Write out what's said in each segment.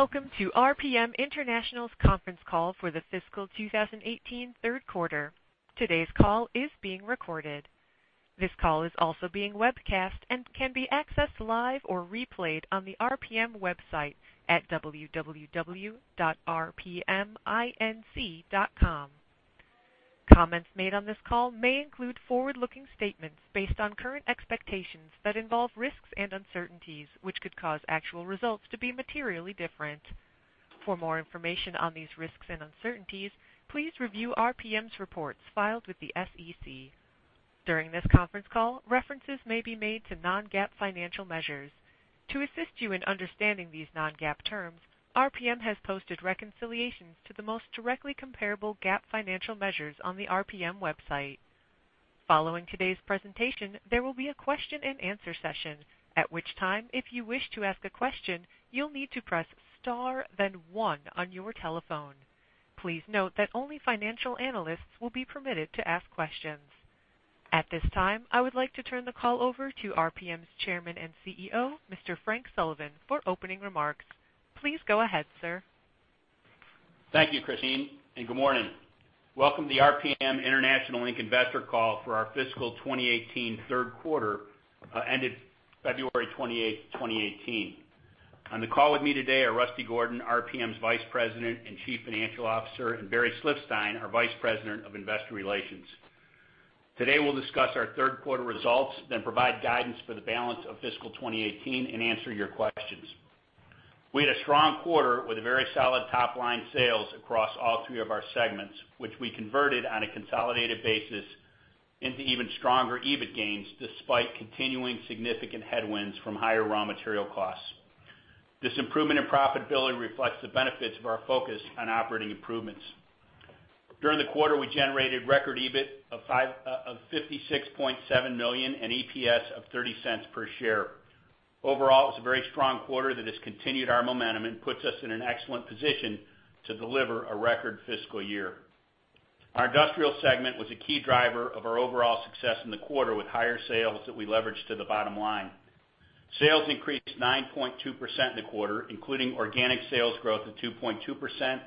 Welcome to RPM International's conference call for the fiscal 2018 third quarter. Today's call is being recorded. This call is also being webcast and can be accessed live or replayed on the RPM website at www.rpminc.com. Comments made on this call may include forward-looking statements based on current expectations that involve risks and uncertainties, which could cause actual results to be materially different. For more information on these risks and uncertainties, please review RPM's reports filed with the SEC. During this conference call, references may be made to non-GAAP financial measures. To assist you in understanding these non-GAAP terms, RPM has posted reconciliations to the most directly comparable GAAP financial measures on the RPM website. Following today's presentation, there will be a question and answer session, at which time, if you wish to ask a question, you'll need to press star then one on your telephone. Please note that only financial analysts will be permitted to ask questions. At this time, I would like to turn the call over to RPM's Chairman and CEO, Mr. Frank Sullivan, for opening remarks. Please go ahead, sir. Thank you, Christine. Good morning. Welcome to the RPM International Inc. Investor Call for our fiscal 2018 third quarter, ended February 28, 2018. On the call with me today are Rusty Gordon, RPM's Vice President and Chief Financial Officer, and Barry Slifstein, our Vice President of Investor Relations. Today, we'll discuss our third quarter results, provide guidance for the balance of fiscal 2018 and answer your questions. We had a strong quarter with very solid top-line sales across all three of our segments, which we converted on a consolidated basis into even stronger EBIT gains, despite continuing significant headwinds from higher raw material costs. This improvement in profitability reflects the benefits of our focus on operating improvements. During the quarter, we generated record EBIT of $56.7 million and EPS of $0.30 per share. Overall, it was a very strong quarter that has continued our momentum and puts us in an excellent position to deliver a record fiscal year. Our Industrial segment was a key driver of our overall success in the quarter with higher sales that we leveraged to the bottom line. Sales increased 9.2% in the quarter, including organic sales growth of 2.2%,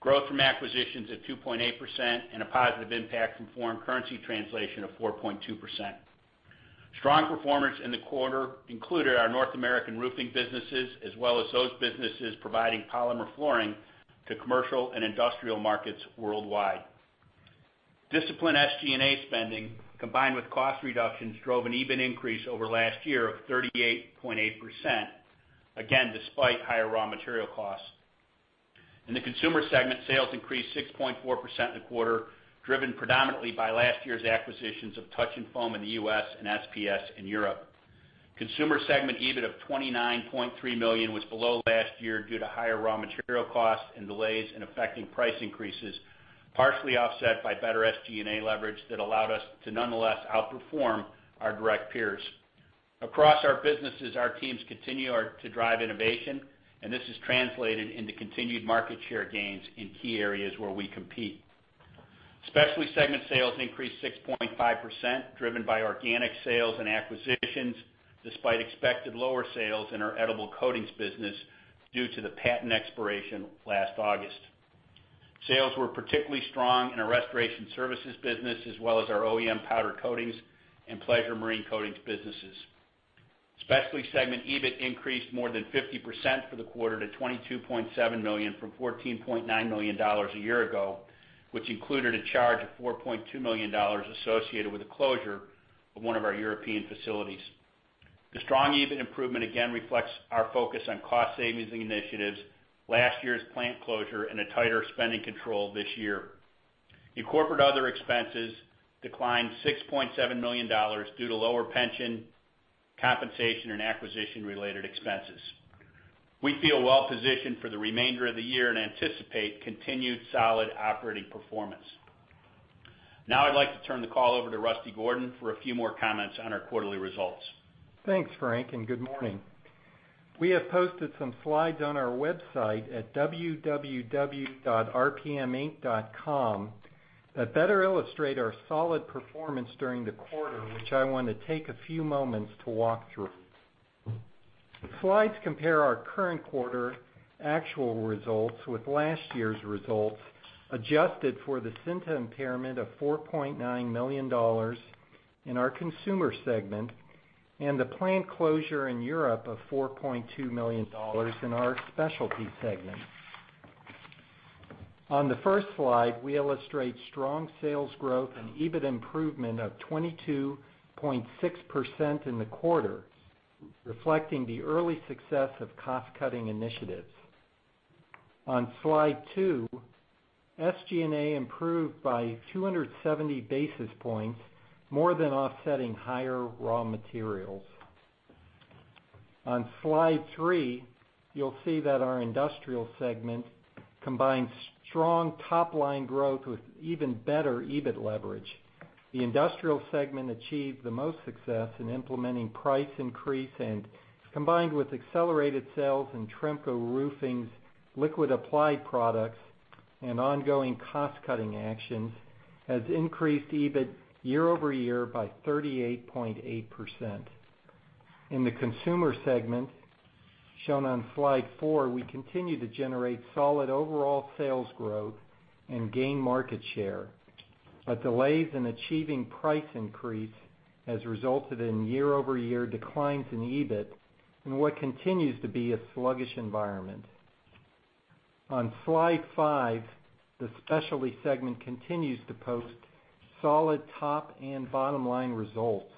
growth from acquisitions of 2.8%, and a positive impact from foreign currency translation of 4.2%. Strong performance in the quarter included our North American roofing businesses, as well as those businesses providing polymer flooring to commercial and industrial markets worldwide. Disciplined SG&A spending, combined with cost reductions, drove an EBIT increase over last year of 38.8%, again, despite higher raw material costs. In the Consumer segment, sales increased 6.4% in the quarter, driven predominantly by last year's acquisitions of Touch 'N Foam in the U.S. and SPS in Europe. Consumer segment EBIT of $29.3 million was below last year due to higher raw material costs and delays in affecting price increases, partially offset by better SG&A leverage that allowed us to nonetheless outperform our direct peers. Across our businesses, our teams continue to drive innovation, and this has translated into continued market share gains in key areas where we compete. Specialty segment sales increased 6.5%, driven by organic sales and acquisitions, despite expected lower sales in our edible coatings business due to the patent expiration last August. Sales were particularly strong in our restoration services business, as well as our OEM Powder Coatings and Pleasure Marine coatings businesses. Specialty segment EBIT increased more than 50% for the quarter to $22.7 million from $14.9 million a year ago, which included a charge of $4.2 million associated with the closure of one of our European facilities. The strong EBIT improvement again reflects our focus on cost savings initiatives, last year's plant closure, and a tighter spending control this year. The corporate other expenses declined $6.7 million due to lower pension, compensation, and acquisition-related expenses. We feel well-positioned for the remainder of the year and anticipate continued solid operating performance. Now I'd like to turn the call over to Rusty Gordon for a few more comments on our quarterly results. Thanks, Frank, and good morning. We have posted some slides on our website at www.rpminc.com that better illustrate our solid performance during the quarter, which I want to take a few moments to walk through. The slides compare our current quarter actual results with last year's results, adjusted for the Synta impairment of $4.9 million in our Consumer segment and the plant closure in Europe of $4.2 million in our Specialty segment. On the first slide, we illustrate strong sales growth and EBIT improvement of 22.6% in the quarter, reflecting the early success of cost-cutting initiatives. On Slide 2, SG&A improved by 270 basis points, more than offsetting higher raw materials. On Slide 3, you'll see that our Industrial segment combined strong top-line growth with even better EBIT leverage. The Industrial segment achieved the most success in implementing price increase, and combined with accelerated sales and Tremco Roofing's liquid applied products and ongoing cost-cutting actions has increased EBIT year-over-year by 38.8%. In the Consumer segment, shown on slide four, we continue to generate solid overall sales growth and gain market share. Delays in achieving price increase has resulted in year-over-year declines in EBIT, in what continues to be a sluggish environment. On slide five, the Specialty segment continues to post solid top and bottom-line results,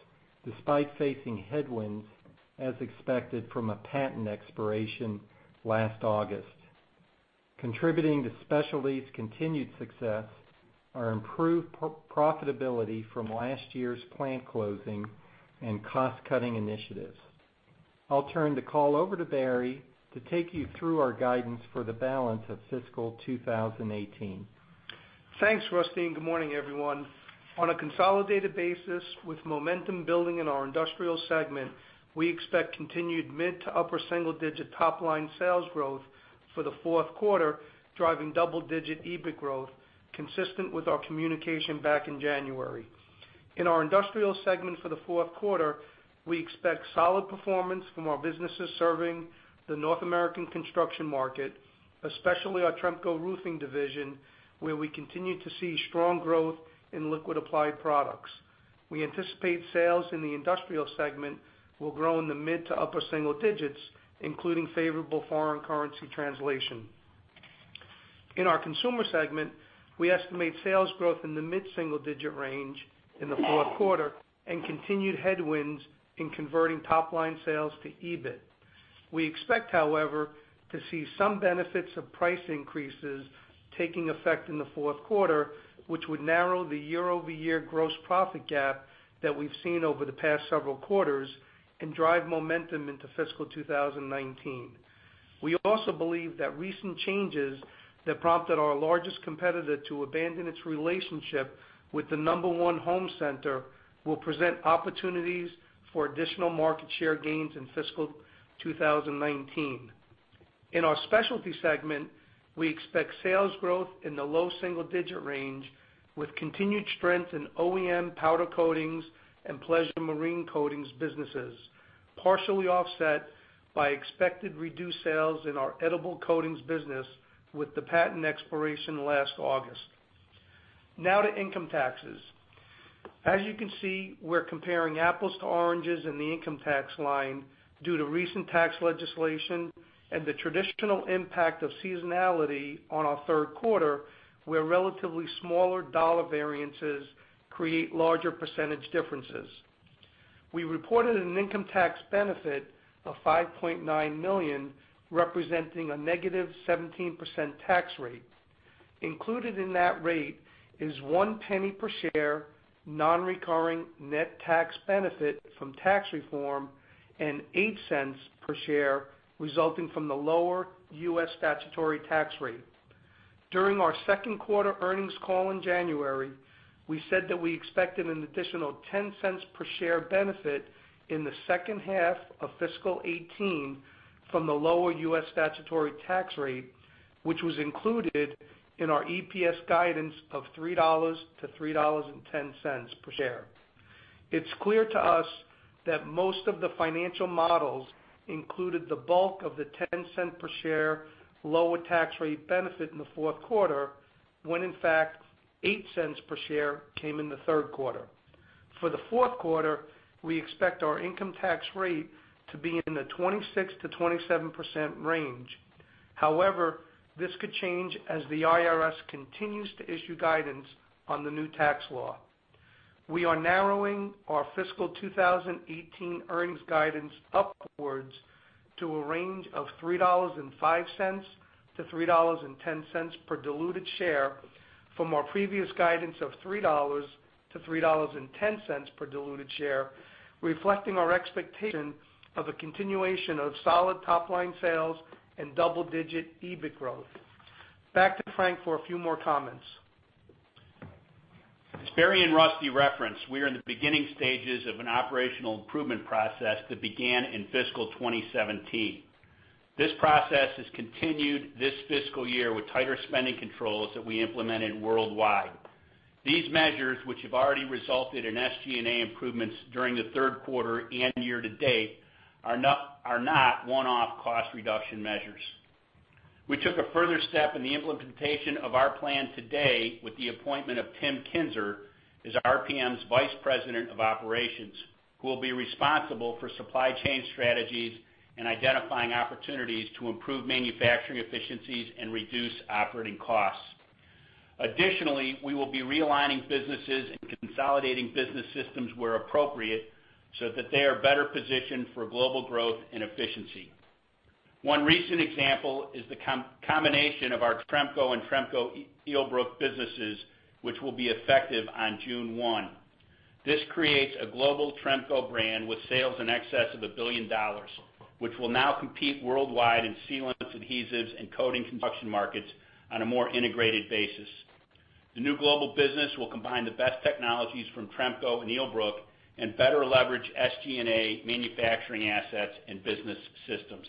despite facing headwinds as expected from a patent expiration last August. Contributing to Specialty's continued success are improved profitability from last year's plant closing and cost-cutting initiatives. I'll turn the call over to Barry to take you through our guidance for the balance of fiscal 2018. Thanks, Rusty, and good morning, everyone. On a consolidated basis with momentum building in our industrial segment, we expect continued mid to upper single-digit top-line sales growth for the fourth quarter, driving double-digit EBIT growth consistent with our communication back in January. In our industrial segment for the fourth quarter, we expect solid performance from our businesses serving the North American construction market, especially our Tremco Roofing division, where we continue to see strong growth in liquid applied products. We anticipate sales in the industrial segment will grow in the mid to upper single digits, including favorable foreign currency translation. In our consumer segment, we estimate sales growth in the mid-single-digit range in the fourth quarter and continued headwinds in converting top-line sales to EBIT. We expect, however, to see some benefits of price increases taking effect in the fourth quarter, which would narrow the year-over-year gross profit gap that we've seen over the past several quarters and drive momentum into fiscal 2019. We also believe that recent changes that prompted our largest competitor to abandon its relationship with the number one home center will present opportunities for additional market share gains in fiscal 2019. In our specialty segment, we expect sales growth in the low double digit range with continued strength in OEM Powder Coatings and Pleasure Marine Coatings businesses, partially offset by expected reduced sales in our Edible Coatings business with the patent expiration last August. To income taxes. As you can see, we're comparing apples to oranges in the income tax line due to recent tax legislation and the traditional impact of seasonality on our third quarter, where relatively smaller dollar variances create larger percentage differences. We reported an income tax benefit of $5.9 million, representing a negative 17% tax rate. Included in that rate is $0.01 per share non-recurring net tax benefit from tax reform, and $0.08 per share resulting from the lower U.S. statutory tax rate. During our second quarter earnings call in January, we said that we expected an additional $0.10 per share benefit in the second half of fiscal 2018 from the lower U.S. statutory tax rate, which was included in our EPS guidance of $3 to $3.10 per share. It's clear to us that most of the financial models included the bulk of the $0.10 per share lower tax rate benefit in the fourth quarter, when in fact, $0.08 per share came in the third quarter. For the fourth quarter, we expect our income tax rate to be in the 26%-27% range. However, this could change as the IRS continues to issue guidance on the new tax law. We are narrowing our fiscal 2018 earnings guidance upwards to a range of $3.05 to $3.10 per diluted share from our previous guidance of $3 to $3.10 per diluted share, reflecting our expectation of a continuation of solid top-line sales and double-digit EBIT growth. Back to Frank for a few more comments. As Barry and Rusty referenced, we are in the beginning stages of an operational improvement process that began in fiscal 2017. This process has continued this fiscal year with tighter spending controls that we implemented worldwide. These measures, which have already resulted in SG&A improvements during the third quarter and year to date, are not one-off cost reduction measures. We took a further step in the implementation of our plan today with the appointment of Tim Kinser as RPM's Vice President of Operations, who will be responsible for supply chain strategies and identifying opportunities to improve manufacturing efficiencies and reduce operating costs. Additionally, we will be realigning businesses and consolidating business systems where appropriate so that they are better positioned for global growth and efficiency. One recent example is the combination of our Tremco and Tremco illbruck businesses, which will be effective on June 1. This creates a global Tremco brand with sales in excess of $1 billion, which will now compete worldwide in sealants, adhesives, and coating construction markets on a more integrated basis. The new global business will combine the best technologies from Tremco and illbruck and better leverage SG&A manufacturing assets and business systems.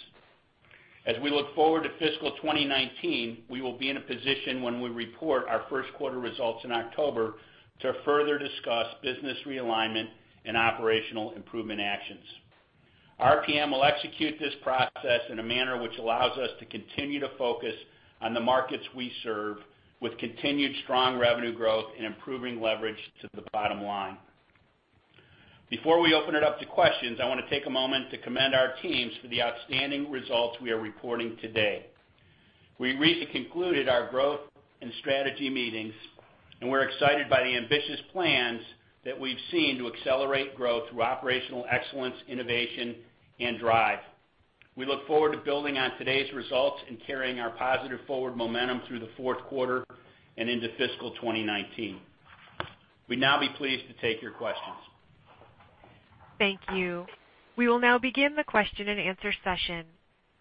As we look forward to fiscal 2019, we will be in a position when we report our first quarter results in October to further discuss business realignment and operational improvement actions. RPM will execute this process in a manner which allows us to continue to focus on the markets we serve with continued strong revenue growth and improving leverage to the bottom line. Before we open it up to questions, I want to take a moment to commend our teams for the outstanding results we are reporting today. We recently concluded our growth and strategy meetings, and we're excited by the ambitious plans that we've seen to accelerate growth through operational excellence, innovation, and drive. We look forward to building on today's results and carrying our positive forward momentum through the fourth quarter and into fiscal 2019. We'd now be pleased to take your questions. Thank you. We will now begin the question and answer session.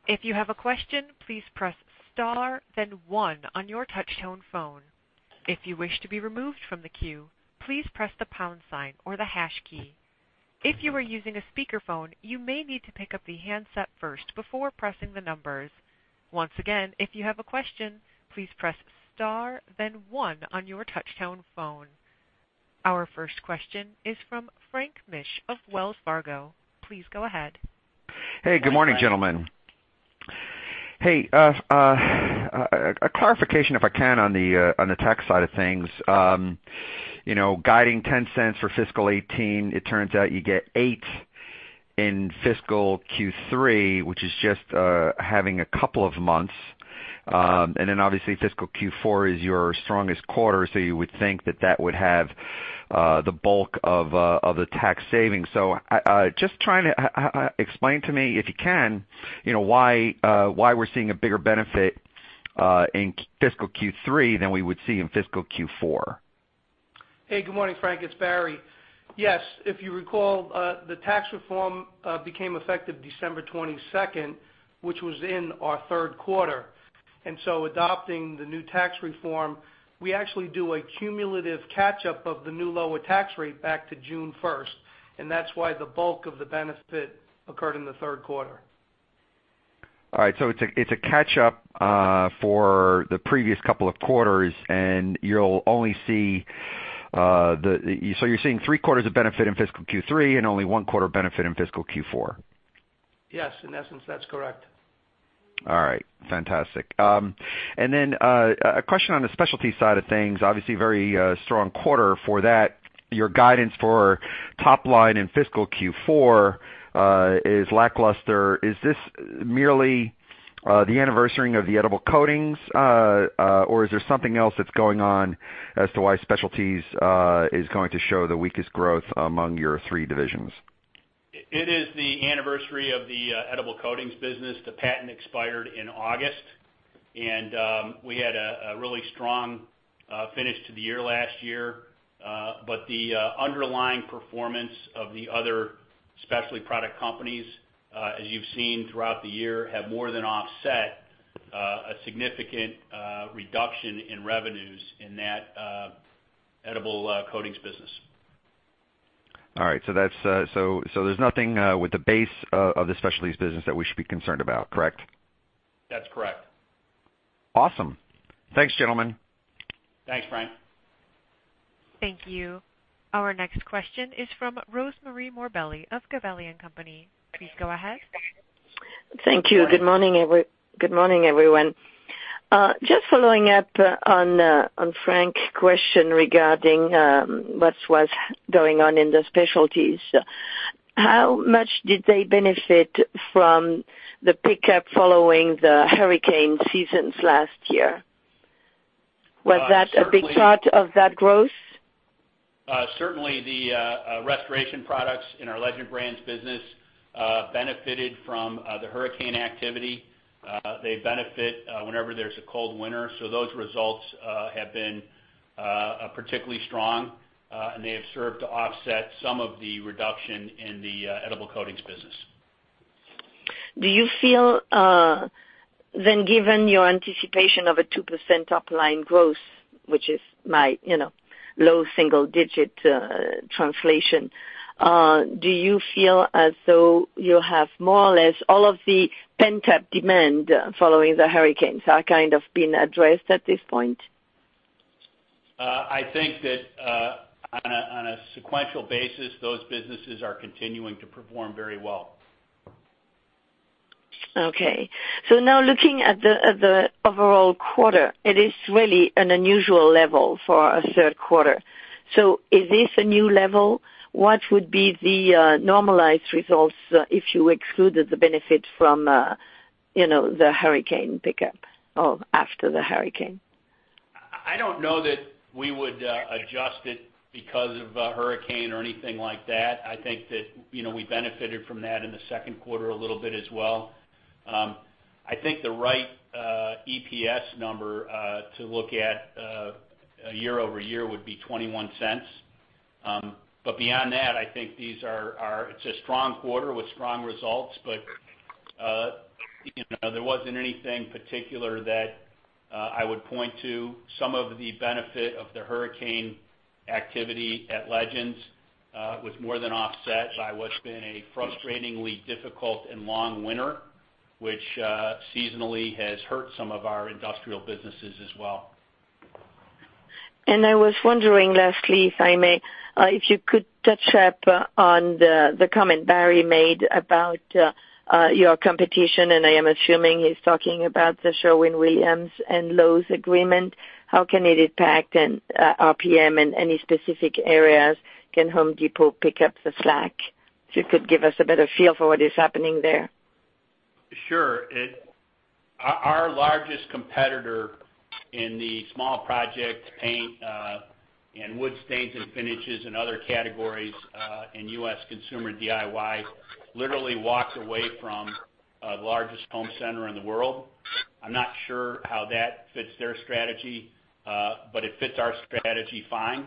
If you have a question, please press star then one on your touch tone phone. If you wish to be removed from the queue, please press the pound sign or the hash key. If you are using a speakerphone, you may need to pick up the handset first before pressing the numbers. Once again, if you have a question, please press star then one on your touch tone phone. Our first question is from Frank Mitsch of Wells Fargo. Please go ahead. Good morning, gentlemen. A clarification, if I can, on the tax side of things. Guiding $0.10 for fiscal 2018, it turns out you get $0.08 in fiscal Q3, which is just having a couple of months. Obviously fiscal Q4 is your strongest quarter. You would think that that would have the bulk of the tax savings. Explain to me, if you can, why we're seeing a bigger benefit in fiscal Q3 than we would see in fiscal Q4. Good morning, Frank. It's Barry. Yes. If you recall, the tax reform became effective December 22nd, which was in our third quarter. Adopting the new tax reform, we actually do a cumulative catch-up of the new lower tax rate back to June 1st. That's why the bulk of the benefit occurred in the third quarter. All right. It's a catch-up for the previous couple of quarters. You're seeing three quarters of benefit in fiscal Q3 and only one quarter benefit in fiscal Q4. Yes. In essence, that's correct. All right. Fantastic. A question on the Specialty side of things. Obviously very strong quarter for that. Your guidance for top line in fiscal Q4 is lackluster. Is this merely the anniversarying of the edible coatings, or is there something else that's going on as to why Specialty is going to show the weakest growth among your three divisions? It is the anniversary of the edible coatings business. The patent expired in August, and we had a really strong finish to the year last year. The underlying performance of the other Specialty product companies, as you've seen throughout the year, have more than offset a significant reduction in revenues in that edible coatings business. All right. There's nothing with the base of the Specialty business that we should be concerned about, correct? That's correct. Awesome. Thanks, gentlemen. Thanks, Frank. Thank you. Our next question is from Rosemarie Morbelli of Gabelli & Company. Please go ahead. Thank you. Good morning, everyone. Just following up on Frank's question regarding what was going on in the specialties. How much did they benefit from the pickup following the hurricane seasons last year? Was that a big part of that growth? Certainly the restoration products in our Legend Brands business benefited from the hurricane activity. They benefit whenever there's a cold winter. Those results have been particularly strong, and they have served to offset some of the reduction in the edible coatings business. Do you feel then, given your anticipation of a 2% top line growth, which is my low single digit translation, do you feel as though you have more or less all of the pent-up demand following the hurricanes are kind of been addressed at this point? I think that on a sequential basis, those businesses are continuing to perform very well. Okay. Now looking at the overall quarter, it is really an unusual level for a third quarter. Is this a new level? What would be the normalized results if you excluded the benefit from the hurricane pickup or after the hurricane? I don't know that we would adjust it because of a hurricane or anything like that. I think that we benefited from that in the second quarter a little bit as well. I think the right EPS number to look at year-over-year would be $0.21. Beyond that, I think it's a strong quarter with strong results. There wasn't anything particular that I would point to. Some of the benefit of the hurricane activity at Legends was more than offset by what's been a frustratingly difficult and long winter, which seasonally has hurt some of our industrial businesses as well. I was wondering, lastly, if I may, if you could touch up on the comment Barry made about your competition. I am assuming he's talking about the Sherwin-Williams and Lowe's agreement. How can it impact RPM in any specific areas? Can Home Depot pick up the slack? If you could give us a better feel for what is happening there. Sure. Our largest competitor in the small project paint and wood stains and finishes and other categories in U.S. consumer DIY literally walks away from the largest home center in the world. I'm not sure how that fits their strategy, but it fits our strategy fine,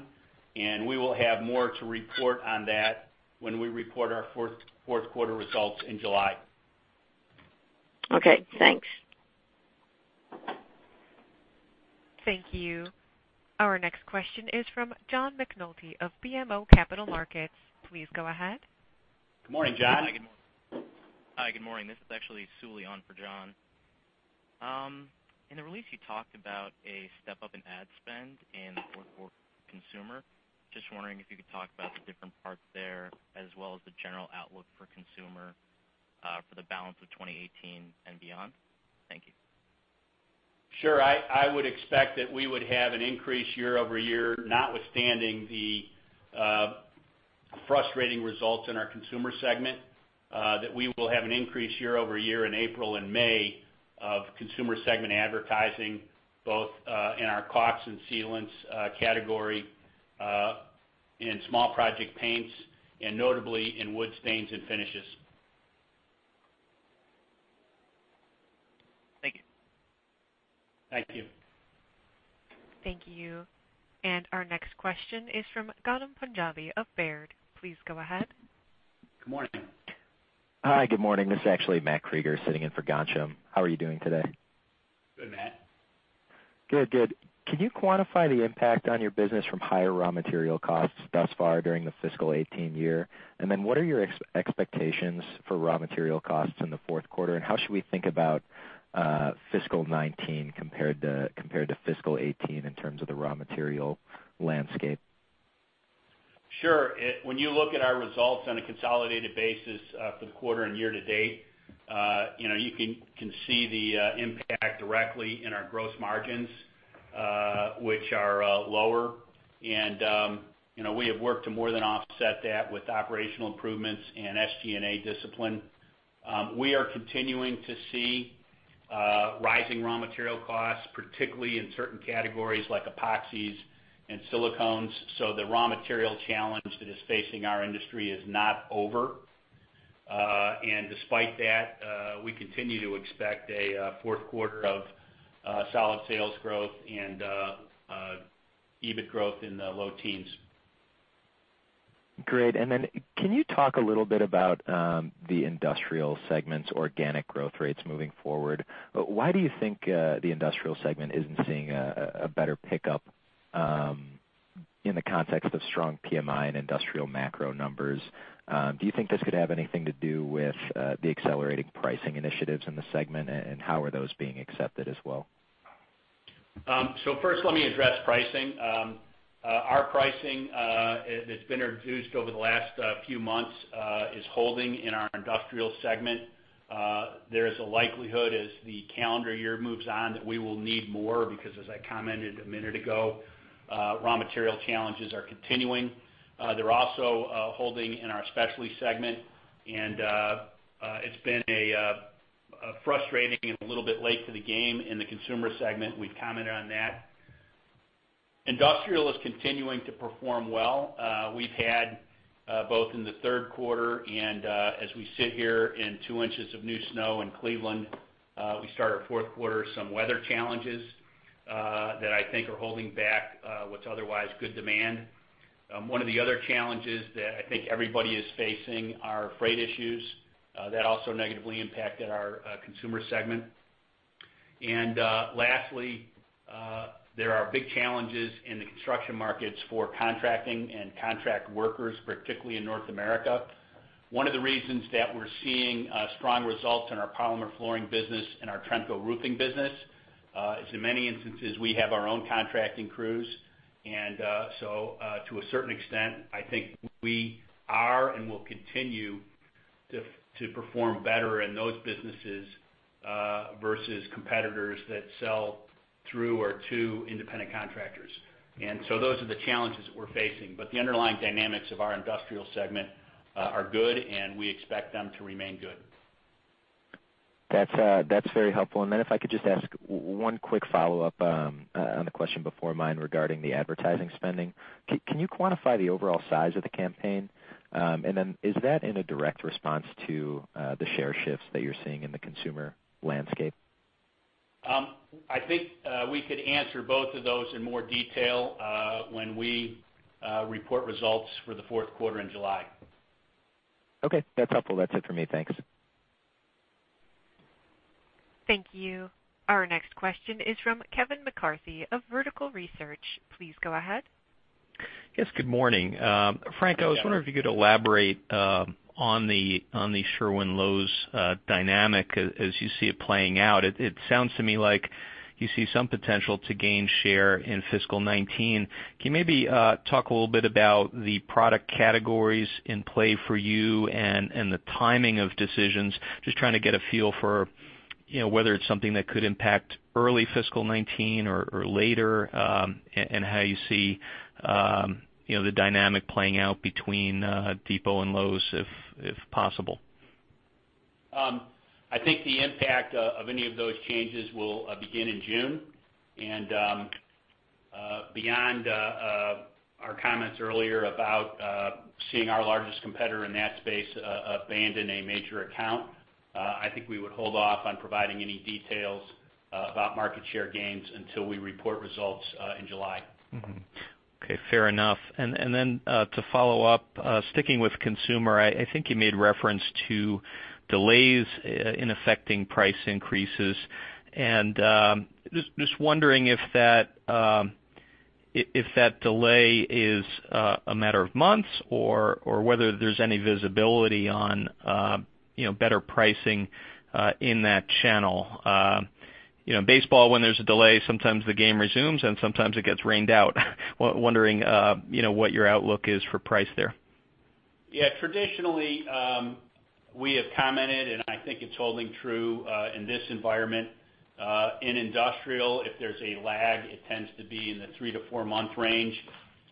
and we will have more to report on that when we report our fourth quarter results in July. Okay, thanks. Thank you. Our next question is from John McNulty of BMO Capital Markets. Please go ahead. Good morning, John. Hi, good morning. This is actually Suli on for John. In the release, you talked about a step-up in ad spend in the fourth quarter Consumer. Just wondering if you could talk about the different parts there, as well as the general outlook for Consumer, for the balance of 2018 and beyond. Thank you. Sure. I would expect that we would have an increase year-over-year, notwithstanding the frustrating results in our Consumer segment, that we will have an increase year-over-year in April and May of Consumer segment advertising, both in our caulks and sealants category, in small project paints, and notably in wood stains and finishes. Thank you. Thank you. Thank you. Our next question is from Ghansham Panjabi of Baird. Please go ahead. Good morning. Hi, good morning. This is actually Matthew Krueger sitting in for Ghansham. How are you doing today? Good, Matt. Good. Can you quantify the impact on your business from higher raw material costs thus far during the fiscal 2018 year? Then what are your expectations for raw material costs in the fourth quarter, and how should we think about fiscal 2019 compared to fiscal 2018 in terms of the raw material landscape? Sure. When you look at our results on a consolidated basis for the quarter and year to date, you can see the impact directly in our gross margins, which are lower. We have worked to more than offset that with operational improvements and SG&A discipline. We are continuing to see rising raw material costs, particularly in certain categories like epoxies and silicones. The raw material challenge that is facing our industry is not over. Despite that, we continue to expect a fourth quarter of solid sales growth and EBIT growth in the low teens. Great. Can you talk a little bit about the industrial segment's organic growth rates moving forward? Why do you think the industrial segment isn't seeing a better pickup in the context of strong PMI and industrial macro numbers? Do you think this could have anything to do with the accelerating pricing initiatives in the segment, and how are those being accepted as well? First, let me address pricing. Our pricing that's been introduced over the last few months is holding in our industrial segment. There is a likelihood as the calendar year moves on that we will need more, because as I commented a minute ago, raw material challenges are continuing. They're also holding in our specialty segment, and it's been frustrating and a little bit late to the game in the consumer segment. We've commented on that. Industrial is continuing to perform well. We've had, both in the third quarter and as we sit here in two inches of new snow in Cleveland, we start our fourth quarter, some weather challenges that I think are holding back what's otherwise good demand. One of the other challenges that I think everybody is facing are freight issues. That also negatively impacted our consumer segment. Lastly, there are big challenges in the construction markets for contracting and contract workers, particularly in North America. One of the reasons that we're seeing strong results in our polymer flooring business and our Tremco Roofing business is in many instances, we have our own contracting crews, to a certain extent, I think we are and will continue to perform better in those businesses versus competitors that sell through or to independent contractors. Those are the challenges that we're facing. The underlying dynamics of our industrial segment are good, and we expect them to remain good. That's very helpful. If I could just ask one quick follow-up on the question before mine regarding the advertising spending. Can you quantify the overall size of the campaign? Is that in a direct response to the share shifts that you're seeing in the consumer landscape? I think we could answer both of those in more detail when we report results for the fourth quarter in July. Okay. That's helpful. That's it for me. Thanks. Thank you. Our next question is from Kevin McCarthy of Vertical Research. Please go ahead. Yes, good morning. Frank, I was wondering if you could elaborate on the Sherwin-Williams Lowe's dynamic as you see it playing out. It sounds to me like you see some potential to gain share in fiscal 2019. Can you maybe talk a little bit about the product categories in play for you and the timing of decisions? Just trying to get a feel for whether it's something that could impact early fiscal 2019 or later, and how you see the dynamic playing out between Depot and Lowe's, if possible. I think the impact of any of those changes will begin in June. Beyond our comments earlier about seeing our largest competitor in that space abandon a major account, I think we would hold off on providing any details about market share gains until we report results in July. Mm-hmm. Okay, fair enough. To follow up, sticking with consumer, I think you made reference to delays in affecting price increases. Just wondering if that delay is a matter of months or whether there's any visibility on better pricing in that channel. Baseball, when there's a delay, sometimes the game resumes and sometimes it gets rained out. Wondering what your outlook is for price there. Yeah. Traditionally, we have commented, and I think it's holding true in this environment. In industrial, if there's a lag, it tends to be in the three- to four-month range,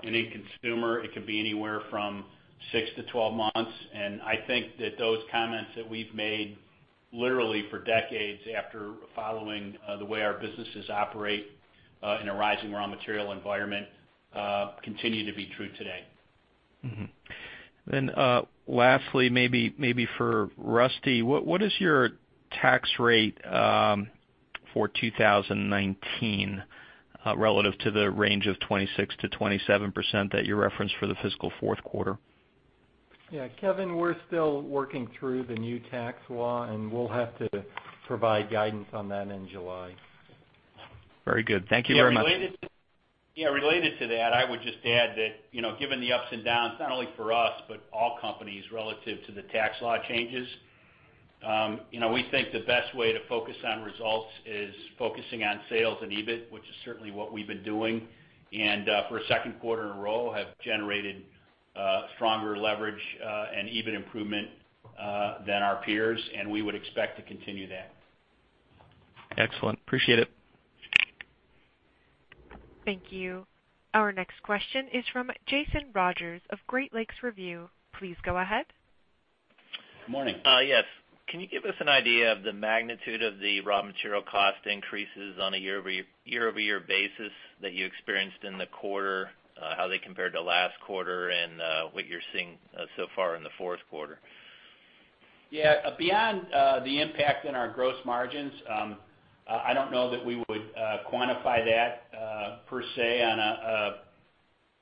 and in consumer, it could be anywhere from six to 12 months. I think that those comments that we've made literally for decades after following the way our businesses operate in a rising raw material environment continue to be true today. Mm-hmm. Lastly, maybe for Rusty, what is your tax rate for 2019 relative to the range of 26%-27% that you referenced for the fiscal fourth quarter? Yeah, Kevin, we're still working through the new tax law, and we'll have to provide guidance on that in July. Very good. Thank you very much. Yeah, related to that, I would just add that, given the ups and downs, not only for us, but all companies relative to the tax law changes, we think the best way to focus on results is focusing on sales and EBIT, which is certainly what we've been doing. For a second quarter in a row, have generated stronger leverage and EBIT improvement than our peers, and we would expect to continue that. Excellent. Appreciate it. Thank you. Our next question is from Jason Rogers of Great Lakes Review. Please go ahead. Morning. Yes. Can you give us an idea of the magnitude of the raw material cost increases on a year-over-year basis that you experienced in the quarter, how they compared to last quarter, and what you're seeing so far in the fourth quarter? Yeah. Beyond the impact in our gross margins, I don't know that we would quantify that per se.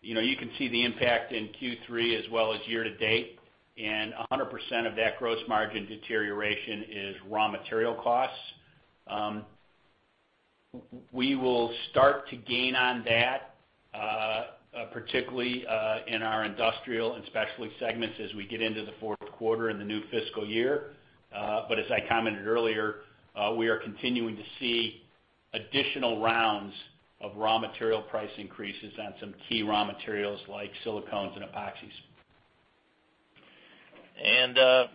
You can see the impact in Q3 as well as year to date. 100% of that gross margin deterioration is raw material costs. We will start to gain on that, particularly in our industrial and specialty segments as we get into the fourth quarter and the new fiscal year. As I commented earlier, we are continuing to see additional rounds of raw material price increases on some key raw materials like silicones and epoxies.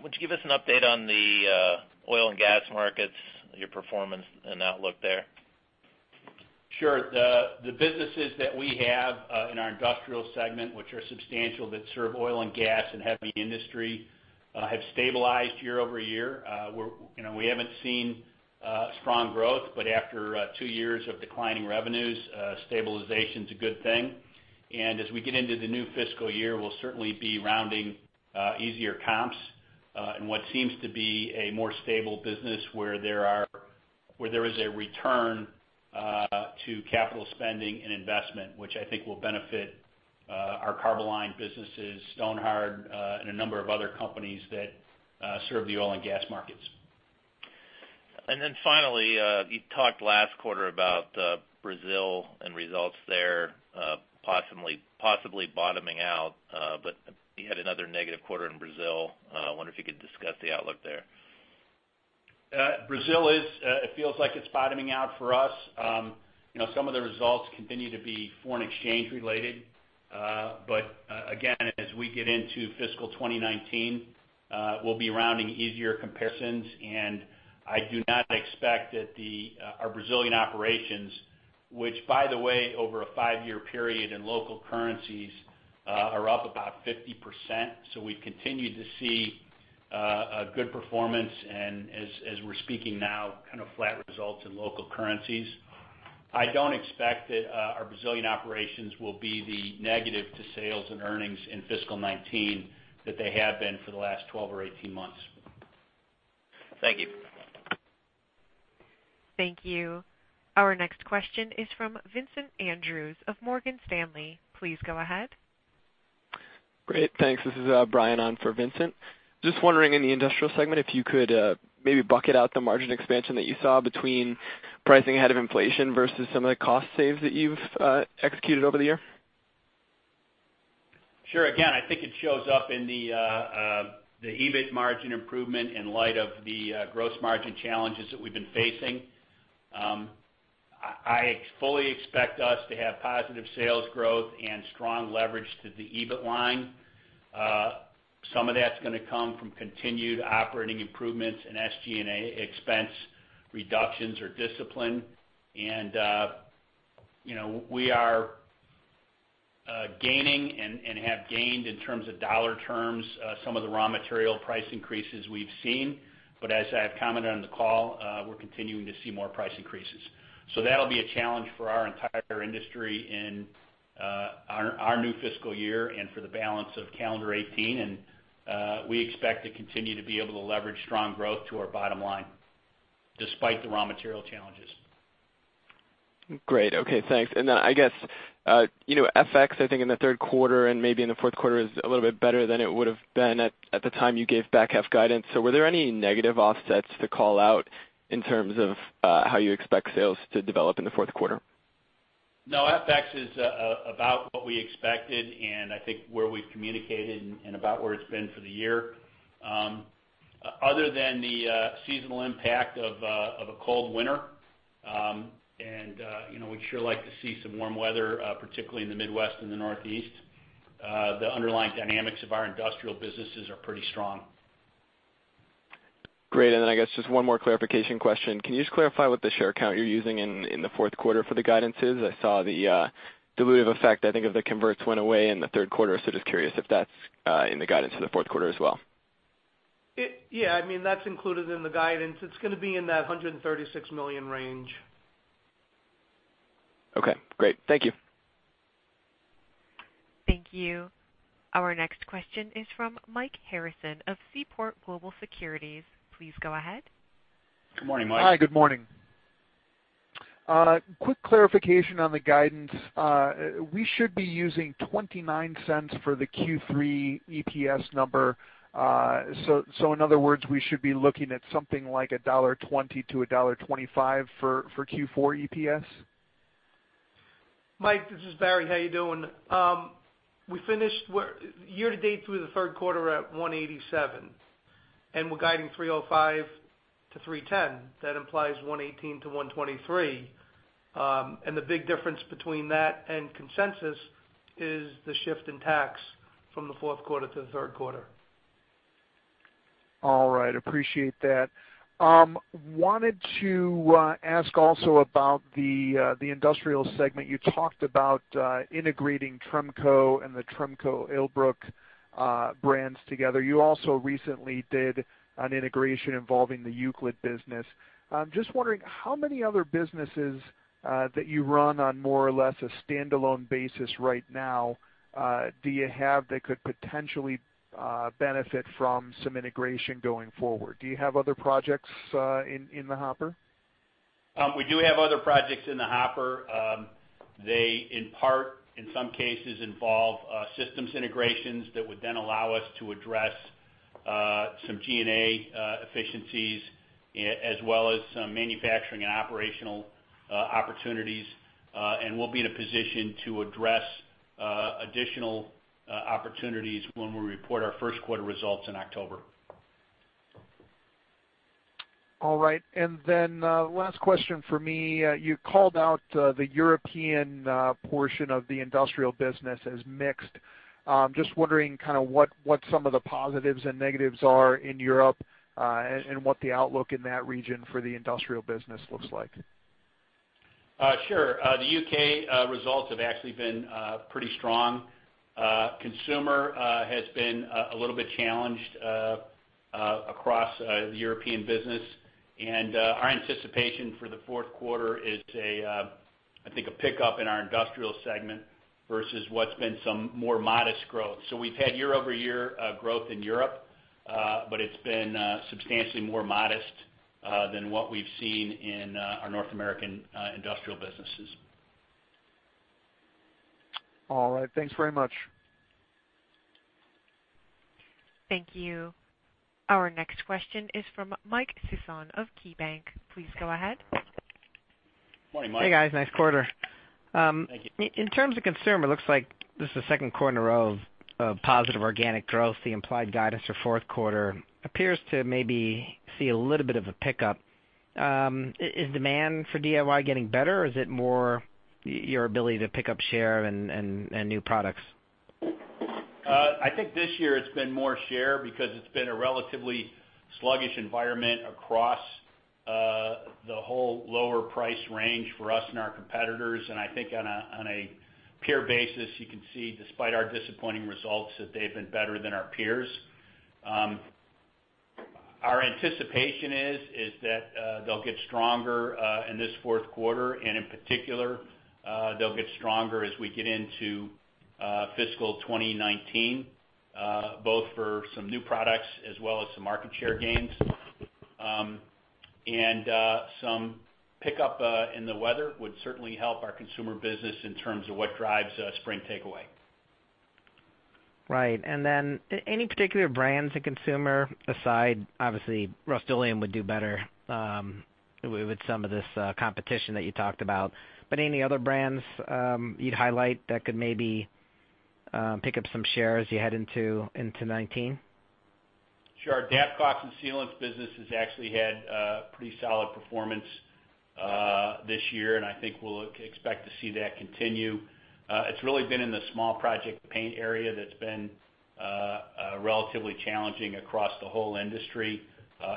Would you give us an update on the oil and gas markets, your performance and outlook there? Sure. The businesses that we have in our industrial segment, which are substantial, that serve oil and gas and heavy industry, have stabilized year-over-year. We haven't seen strong growth, but after two years of declining revenues, stabilization's a good thing. As we get into the new fiscal year, we'll certainly be rounding easier comps in what seems to be a more stable business, where there is a return to capital spending and investment, which I think will benefit our Carboline businesses, Stonhard, and a number of other companies that serve the oil and gas markets. Finally, you talked last quarter about Brazil and results there possibly bottoming out. You had another negative quarter in Brazil. I wonder if you could discuss the outlook there. Brazil, it feels like it's bottoming out for us. Some of the results continue to be foreign exchange related. Again, as we get into fiscal 2019, we'll be rounding easier comparisons. I do not expect that our Brazilian operations, which by the way, over a five-year period in local currencies are up about 50%, so we've continued to see a good performance, and as we're speaking now, kind of flat results in local currencies. I don't expect that our Brazilian operations will be the negative to sales and earnings in fiscal 2019 that they have been for the last 12 or 18 months. Thank you. Thank you. Our next question is from Vincent Andrews of Morgan Stanley. Please go ahead. Great. Thanks. This is Brian on for Vincent. Just wondering, in the industrial segment, if you could maybe bucket out the margin expansion that you saw between pricing ahead of inflation versus some of the cost saves that you've executed over the year. Sure. Again, I think it shows up in the EBIT margin improvement in light of the gross margin challenges that we've been facing. I fully expect us to have positive sales growth and strong leverage to the EBIT line. Some of that's going to come from continued operating improvements in SG&A expense reductions or discipline. We are gaining, and have gained in terms of dollar terms, some of the raw material price increases we've seen. As I have commented on the call, we're continuing to see more price increases. That'll be a challenge for our entire industry in our new fiscal year and for the balance of calendar 2018. We expect to continue to be able to leverage strong growth to our bottom line despite the raw material challenges. Great. Okay, thanks. I guess, FX, I think in the third quarter and maybe in the fourth quarter is a little bit better than it would've been at the time you gave back half guidance. Were there any negative offsets to call out in terms of how you expect sales to develop in the fourth quarter? No, FX is about what we expected and I think where we've communicated and about where it's been for the year. Other than the seasonal impact of a cold winter, and we'd sure like to see some warm weather, particularly in the Midwest and the Northeast. The underlying dynamics of our industrial businesses are pretty strong. Great. I guess just one more clarification question. Can you just clarify what the share count you're using in the fourth quarter for the guidance is? I saw the dilutive effect, I think, of the converts went away in the third quarter. Just curious if that's in the guidance for the fourth quarter as well. Yeah. That's included in the guidance. It's going to be in that $136 million range. Okay, great. Thank you. Thank you. Our next question is from Mike Harrison of Seaport Global Securities. Please go ahead. Good morning, Mike. Hi. Good morning. Quick clarification on the guidance. We should be using $0.29 for the Q3 EPS number. In other words, we should be looking at something like $1.20-$1.25 for Q4 EPS? Mike, this is Barry. How you doing? We finished year-to-date through the third quarter at $1.87, and we're guiding $3.05-$3.10. That implies $1.18-$1.23. The big difference between that and consensus is the shift in tax from the fourth quarter to the third quarter. All right. Appreciate that. Wanted to ask also about the industrial segment. You talked about integrating Tremco and the Tremco illbruck brands together. You also recently did an integration involving the Euclid business. Just wondering how many other businesses that you run on more or less a standalone basis right now, do you have that could potentially benefit from some integration going forward? Do you have other projects in the hopper? We do have other projects in the hopper. They, in part, in some cases involve systems integrations that would then allow us to address some G&A efficiencies as well as some manufacturing and operational opportunities. We'll be in a position to address additional opportunities when we report our first quarter results in October. All right. Then last question from me. You called out the European portion of the industrial business as mixed. Just wondering what some of the positives and negatives are in Europe, and what the outlook in that region for the industrial business looks like. Sure. The U.K. results have actually been pretty strong. Consumer has been a little bit challenged across the European business. Our anticipation for the fourth quarter is, I think, a pickup in our industrial segment versus what's been some more modest growth. We've had year-over-year growth in Europe, but it's been substantially more modest than what we've seen in our North American industrial businesses. All right. Thanks very much. Thank you. Our next question is from Mike Sison of KeyBanc. Please go ahead. Morning, Mike. Hey, guys. Nice quarter. Thank you. In terms of consumer, it looks like this is the second quarter of positive organic growth. The implied guidance for fourth quarter appears to maybe see a little bit of a pickup. Is demand for DIY getting better, or is it more your ability to pick up share and new products? I think this year it's been more share because it's been a relatively sluggish environment across the whole lower price range for us and our competitors. I think on a peer basis, you can see despite our disappointing results, that they've been better than our peers. Our anticipation is that they'll get stronger in this fourth quarter, in particular, they'll get stronger as we get into fiscal 2019, both for some new products as well as some market share gains. Some pickup in the weather would certainly help our consumer business in terms of what drives spring takeaway. Right. Then any particular brands in consumer aside, obviously Rust-Oleum would do better with some of this competition that you talked about, but any other brands you'd highlight that could maybe pick up some share as you head into 2019? Sure. Our DAP Caulk and Sealants business has actually had pretty solid performance this year, and I think we'll expect to see that continue. It's really been in the small project paint area that's been relatively challenging across the whole industry,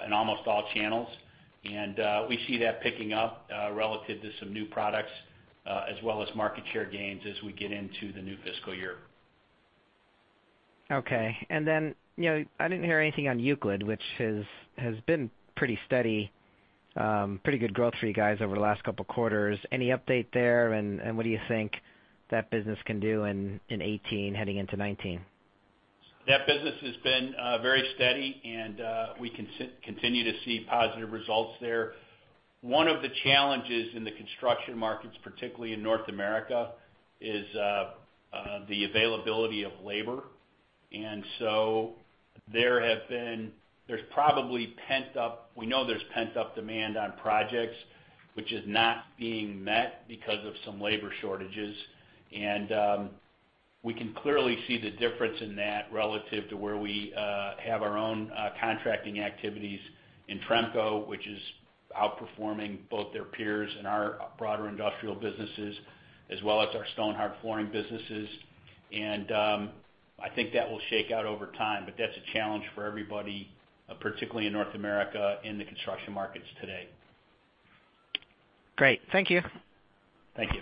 in almost all channels. We see that picking up relative to some new products, as well as market share gains as we get into the new fiscal year. Okay. I didn't hear anything on Euclid, which has been pretty steady, pretty good growth for you guys over the last couple of quarters. Any update there, and what do you think that business can do in 2018 heading into 2019? That business has been very steady, and we continue to see positive results there. One of the challenges in the construction markets, particularly in North America, is the availability of labor. There's probably, we know there's pent-up demand on projects, which is not being met because of some labor shortages. We can clearly see the difference in that relative to where we have our own contracting activities in Tremco, which is outperforming both their peers and our broader industrial businesses, as well as our Stonhard flooring businesses. I think that will shake out over time, but that's a challenge for everybody, particularly in North America and the construction markets today. Great. Thank you. Thank you.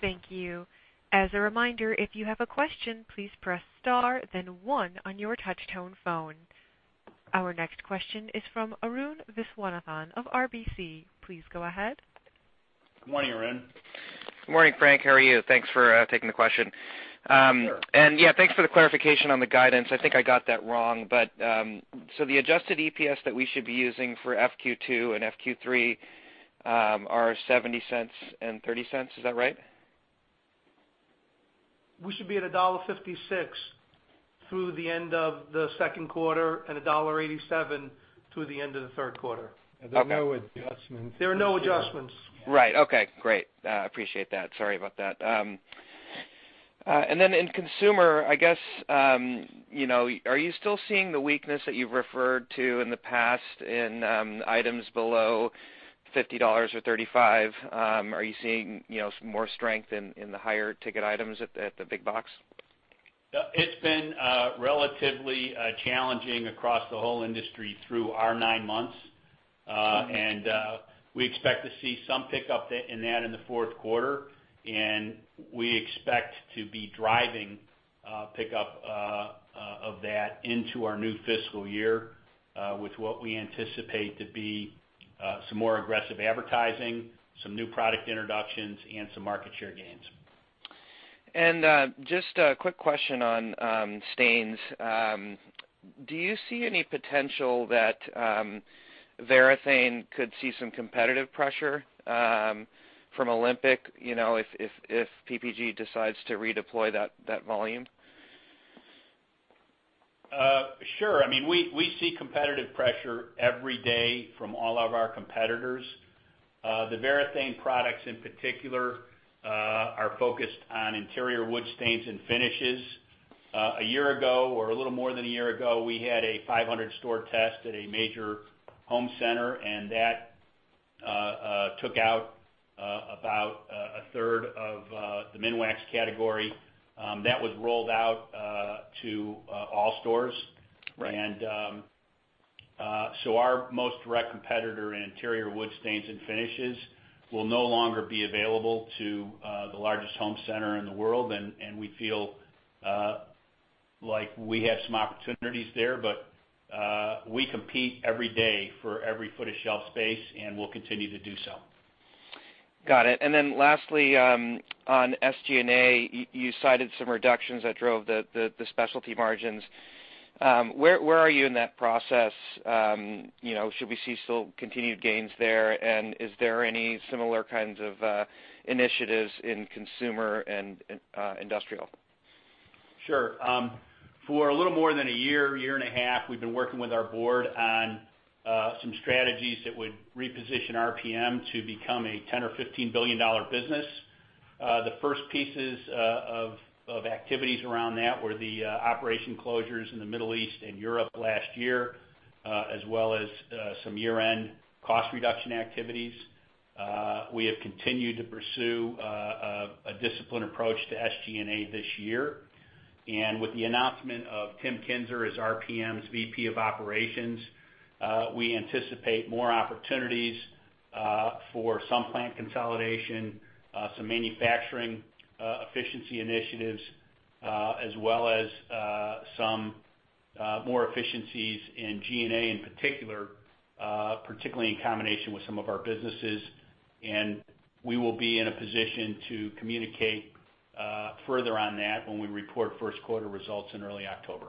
Thank you. As a reminder, if you have a question, please press star then one on your touch-tone phone. Our next question is from Arun Viswanathan of RBC. Please go ahead. Good morning, Arun. Good morning, Frank. How are you? Thanks for taking the question. Sure. Yeah, thanks for the clarification on the guidance. I think I got that wrong. So the adjusted EPS that we should be using for FQ2 and FQ3 are $0.70 and $0.30. Is that right? We should be at $1.56 through the end of the second quarter and $1.87 through the end of the third quarter. Okay. There are no adjustments. There are no adjustments. In consumer, are you still seeing the weakness that you've referred to in the past in items below $50 or $35? Are you seeing some more strength in the higher ticket items at the big box? It's been relatively challenging across the whole industry through our nine months. We expect to see some pickup in that in the fourth quarter, and we expect to be driving pickup of that into our new fiscal year, with what we anticipate to be some more aggressive advertising, some new product introductions, and some market share gains. Just a quick question on stains. Do you see any potential that Varathane could see some competitive pressure from Olympic, if PPG decides to redeploy that volume? Sure. We see competitive pressure every day from all of our competitors. The Varathane products in particular are focused on interior wood stains and finishes. A year ago or a little more than a year ago, we had a 500-store test at a major home center, and that took out about a third of the Minwax category. That was rolled out to all stores. Right. Our most direct competitor in interior wood stains and finishes will no longer be available to the largest home center in the world. We feel like we have some opportunities there, we compete every day for every foot of shelf space, and we'll continue to do so. Got it. Lastly, on SG&A, you cited some reductions that drove the Specialty margins. Where are you in that process? Should we see still continued gains there? Is there any similar kinds of initiatives in Consumer and Industrial? Sure. For a little more than a year and a half, we've been working with our board on some strategies that would reposition RPM to become a $10 billion or $15 billion business. The first pieces of activities around that were the operation closures in the Middle East and Europe last year, as well as some year-end cost reduction activities. We have continued to pursue a disciplined approach to SG&A this year. With the announcement of Tim Kinser as RPM's VP of Operations, we anticipate more opportunities for some plant consolidation, some manufacturing efficiency initiatives as well as some more efficiencies in G&A in particular, particularly in combination with some of our businesses. We will be in a position to communicate further on that when we report first quarter results in early October.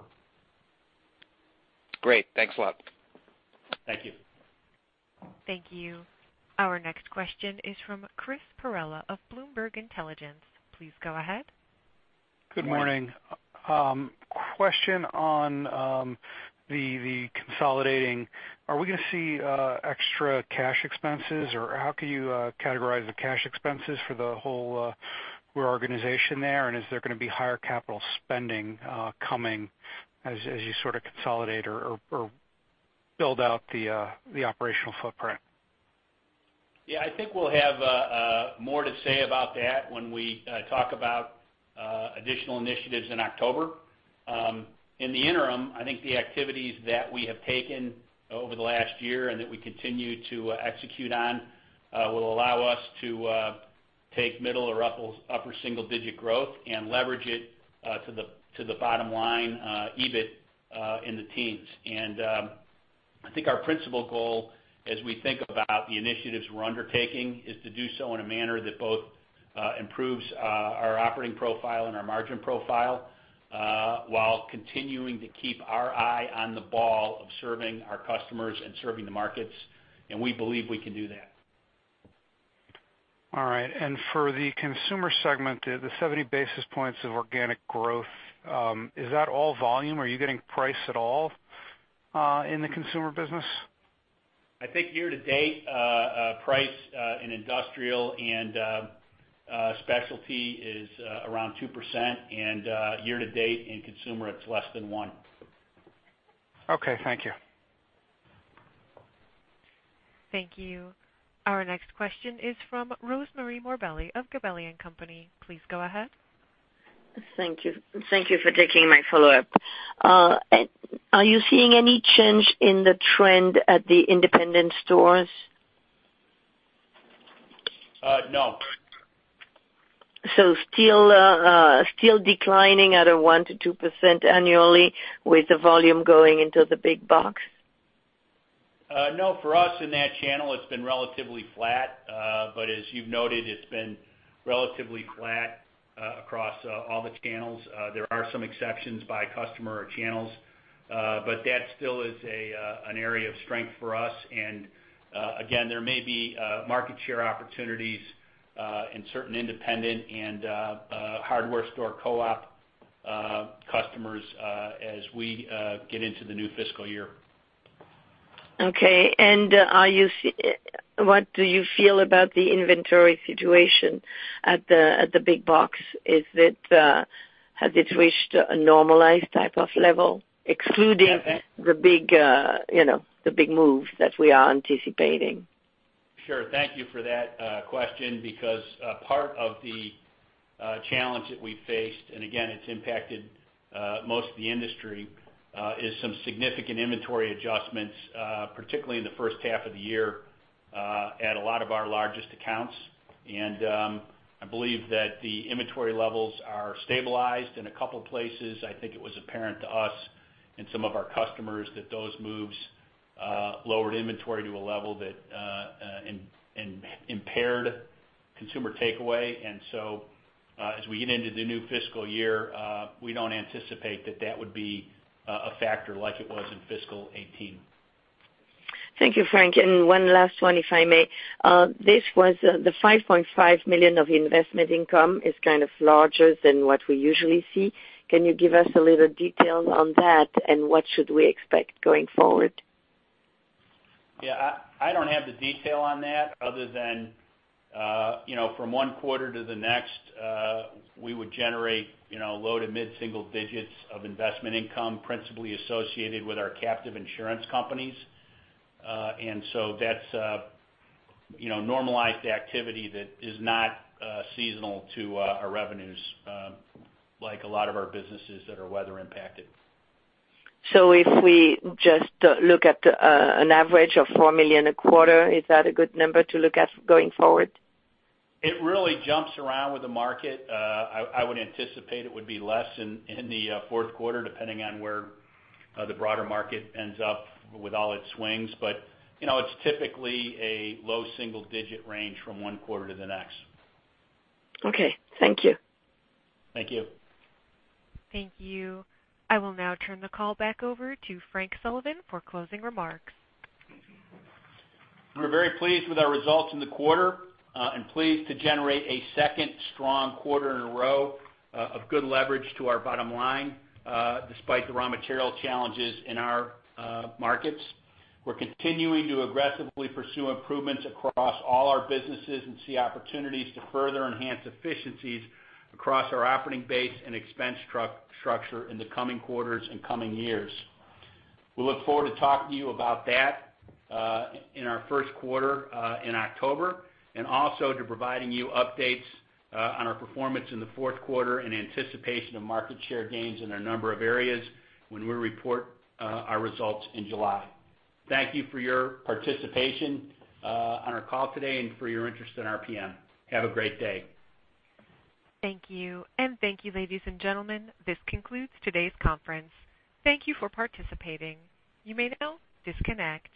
Great. Thanks a lot. Thank you. Thank you. Our next question is from Chris Perrella of Bloomberg Intelligence. Please go ahead. Good morning. Question on the consolidating. Are we going to see extra cash expenses or how can you categorize the cash expenses for the whole organization there? Is there going to be higher capital spending coming as you sort of consolidate or build out the operational footprint? Yeah, I think we'll have more to say about that when we talk about additional initiatives in October. In the interim, I think the activities that we have taken over the last year and that we continue to execute on will allow us to take middle or upper single-digit growth and leverage it to the bottom line EBIT in the teens. I think our principal goal as we think about the initiatives we're undertaking is to do so in a manner that both improves our operating profile and our margin profile while continuing to keep our eye on the ball of serving our customers and serving the markets, and we believe we can do that. For the consumer segment, the 70 basis points of organic growth, is that all volume? Are you getting price at all in the consumer business? I think year to date, price in industrial and specialty is around 2%, year to date in consumer it's less than one. Okay, thank you. Thank you. Our next question is from Rosemarie Morbelli of Gabelli & Company. Please go ahead. Thank you. Thank you for taking my follow-up. Are you seeing any change in the trend at the independent stores? No. Still declining at a 1%-2% annually with the volume going into the big box? For us in that channel it's been relatively flat. As you've noted, it's been relatively flat across all the channels. There are some exceptions by customer or channels but that still is an area of strength for us. Again, there may be market share opportunities in certain independent and hardware store co-op customers as we get into the new fiscal year. Okay. What do you feel about the inventory situation at the big box? Has it reached a normalized type of level excluding the big moves that we are anticipating? Sure. Thank you for that question because part of the challenge that we faced, again, it's impacted most of the industry, is some significant inventory adjustments, particularly in the first half of the year at a lot of our largest accounts. I believe that the inventory levels are stabilized in a couple of places. I think it was apparent to us and some of our customers that those moves lowered inventory to a level that impaired consumer takeaway. As we get into the new fiscal year, we don't anticipate that that would be a factor like it was in fiscal 2018. Thank you, Frank. One last one, if I may. The $5.5 million of investment income is kind of larger than what we usually see. Can you give us a little detail on that? What should we expect going forward? I don't have the detail on that other than from one quarter to the next, we would generate low to mid single digits of investment income principally associated with our captive insurance companies. That's normalized activity that is not seasonal to our revenues like a lot of our businesses that are weather impacted. If we just look at an average of $4 million a quarter, is that a good number to look at going forward? It really jumps around with the market. I would anticipate it would be less in the fourth quarter depending on where the broader market ends up with all its swings. It's typically a low single digit range from one quarter to the next. Okay, thank you. Thank you. Thank you. I will now turn the call back over to Frank Sullivan for closing remarks. We're very pleased with our results in the quarter and pleased to generate a second strong quarter in a row of good leverage to our bottom line despite the raw material challenges in our markets. We're continuing to aggressively pursue improvements across all our businesses and see opportunities to further enhance efficiencies across our operating base and expense structure in the coming quarters and coming years. We look forward to talking to you about that in our first quarter in October and also to providing you updates on our performance in the fourth quarter in anticipation of market share gains in a number of areas when we report our results in July. Thank you for your participation on our call today and for your interest in RPM. Have a great day. Thank you. Thank you, ladies and gentlemen. This concludes today's conference. Thank you for participating. You may now disconnect.